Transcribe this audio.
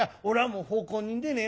もう奉公人でねえな」。